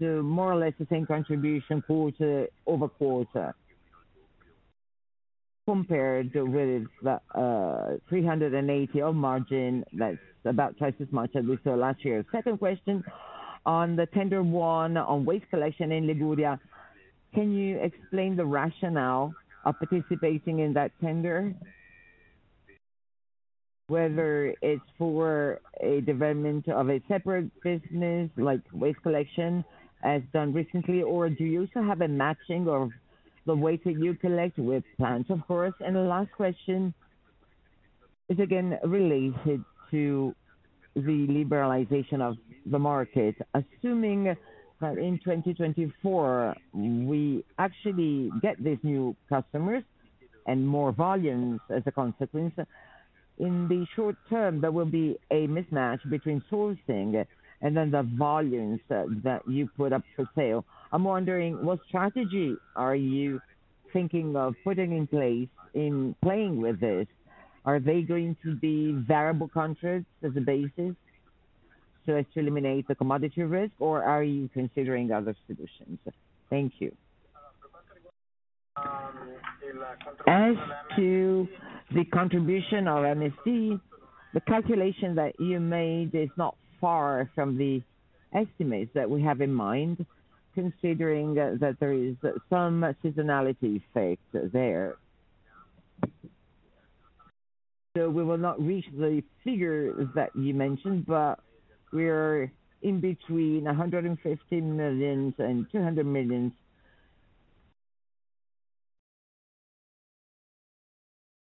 More or less the same contribution quarter-over-quarter, compared with the 380 on margin. That's about twice as much as we saw last year. Second question. On the tender one on waste collection in Liguria, can you explain the rationale of participating in that tender? Whether it's for a development of a separate business like waste collection as done recently, or do you also have a matching of the waste that you collect with plants, of course? The last question is again related to the liberalization of the market. Assuming that in 2024 we actually get these new customers and more volumes as a consequence, in the short term, there will be a mismatch between sourcing and the volumes that you put up for sale. I'm wondering what strategy are you thinking of putting in place in playing with this? Are they going to be variable contracts as a basis so as to eliminate the commodity risk, or are you considering other solutions? Thank you. As to the contribution of MSD, the calculation that you made is not far from the estimates that we have in mind, considering that there is some seasonality effect there. We will not reach the figures that you mentioned, but we're in between 150 million and 200 million.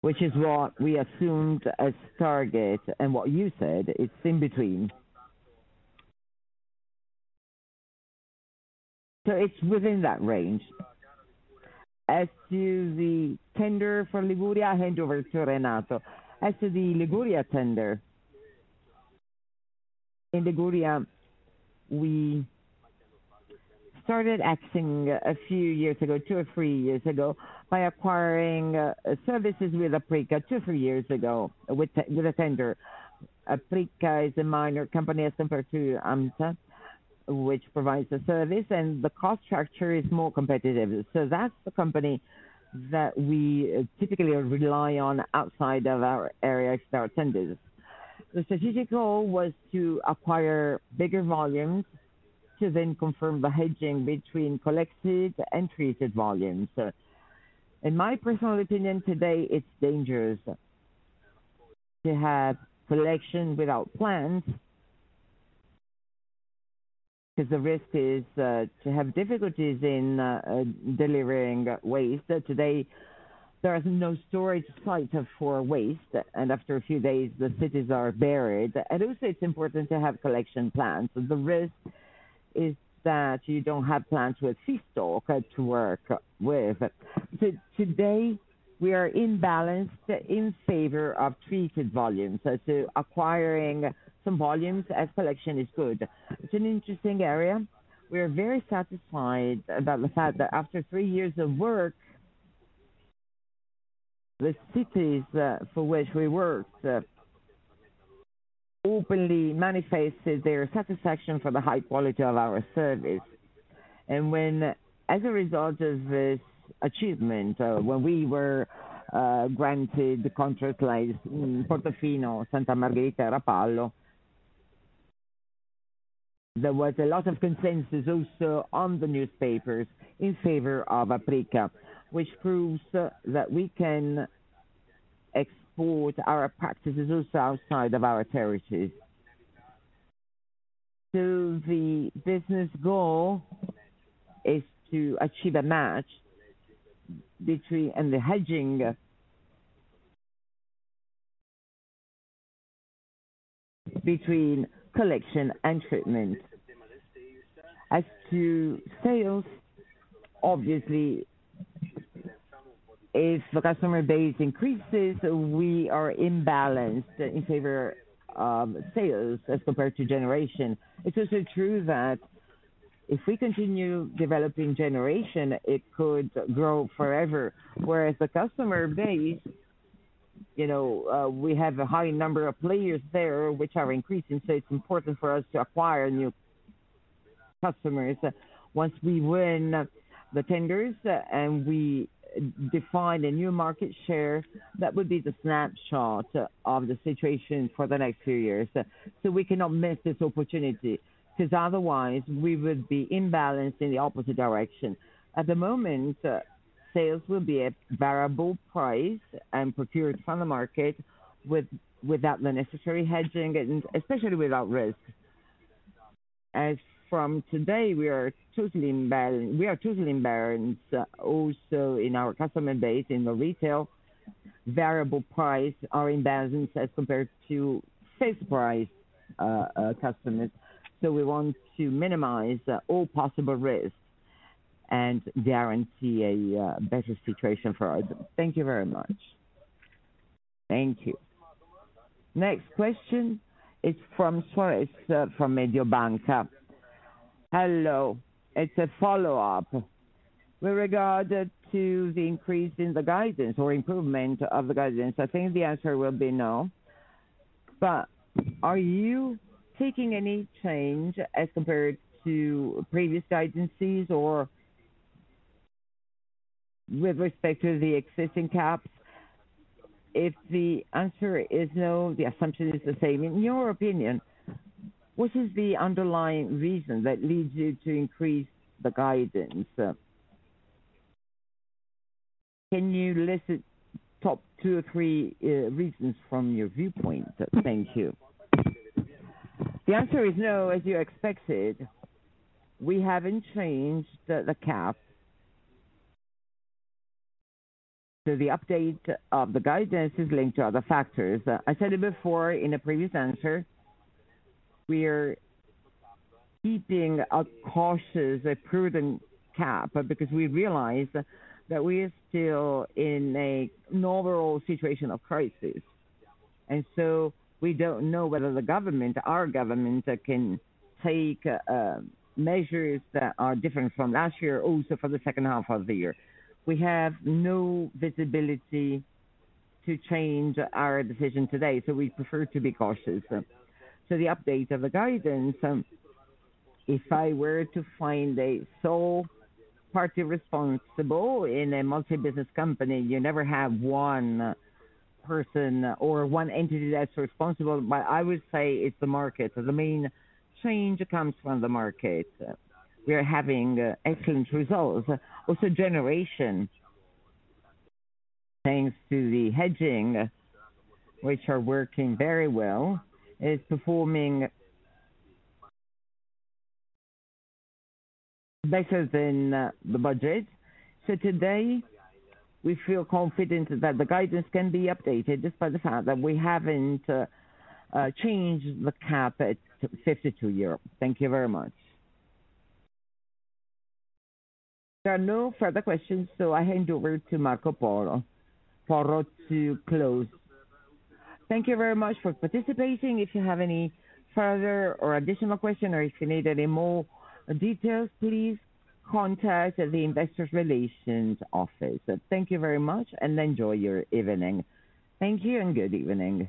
Which is what we assumed as target, and what you said is in between. It's within that range. As to the tender for Liguria, I hand over to Renato. As to the Liguria tender. In Liguria, we started acting a few years ago, two or three years ago, by acquiring services with Aprica 2, three years ago, with a tender. Aprica is a minor company as compared to AMSA, which provides the service and the cost structure is more competitive. That's the company that we typically rely on outside of our area as our tenders. The strategic goal was to acquire bigger volumes to then confirm the hedging between collected and treated volumes. In my personal opinion, today, it's dangerous to have collection without plans. The risk is to have difficulties in delivering waste. Today, there are no storage sites for waste, and after a few days, the cities are buried. Also it's important to have collection plans. The risk is that you don't have plans with feedstock to work with. Today, we are in balance in favor of treated volumes, so acquiring some volumes as collection is good. It's an interesting area. We are very satisfied about the fact that after three years of work, the cities for which we worked openly manifested their satisfaction for the high quality of our service. When as a result of this achievement, when we were granted the contract like Portofino, Santa Margherita, Rapallo. There was a lot of consensus also on the newspapers in favor of Aprica, which proves that we can export our practices also outside of our territories. The business goal is to achieve a match and the hedging between collection and treatment. To sales, obviously, if the customer base increases, we are imbalanced in favor of sales as compared to generation. It's also true that if we continue developing generation, it could grow forever. The customer base, you know, we have a high number of players there which are increasing, so it's important for us to acquire new customers. Once we win the tenders and we define a new market share, that would be the snapshot of the situation for the next few years, so we cannot miss this opportunity, 'cause otherwise we would be imbalanced in the opposite direction. At the moment, sales will be at variable price and procured from the market without the necessary hedging, and especially without risk. From today, we are totally imbalanced also in our customer base. In the retail, variable price are imbalance as compared to fixed price, customers. We want to minimize all possible risks and guarantee a better situation for our group. Thank you very much. Thank you. Next question is from Suarez from Mediobanca. Hello. It's a follow-up. With regard to the increase in the guidance or improvement of the guidance, I think the answer will be no. Are you taking any change as compared to previous guidances or with respect to the existing caps? If the answer is no, the assumption is the same. In your opinion, which is the underlying reason that leads you to increase the guidance? Can you list the top two or three reasons from your viewpoint? Thank you. The answer is no, as you expected. We haven't changed the cap. The update of the guidance is linked to other factors. I said it before in a previous answer. We are keeping a cautious, a prudent CapEx, because we realize that we are still in a normal situation of crisis. We don't know whether the government, our government, can take measures that are different from last year, also for the second half of the year. We have no visibility to change our decision today, so we prefer to be cautious. The update of the guidance, if I were to find a sole party responsible in a multi-business company, you never have one person or one entity that's responsible. I would say it's the market. The main change comes from the market. We are having excellent results. Also generation, thanks to the hedging, which are working very well, is performing better than the budget. Today, we feel confident that the guidance can be updated just by the fact that we haven't changed the cap at 52 euros. Thank you very much. There are no further questions, so I hand over to Marco Porro to close. Thank you very much for participating. If you have any further or additional question or if you need any more details, please contact the Investor Relations office. Thank you very much and enjoy your evening. Thank you and good evening.